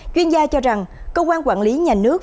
chuyên gia cho rằng công an quản lý nhà nước